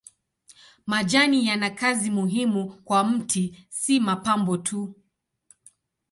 Majani yana kazi muhimu kwa mti si mapambo tu.